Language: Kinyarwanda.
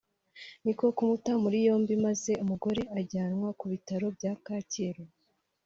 niko kumuta muri yombi maze umugore ajyanwa ku bitaro bya Kacyiru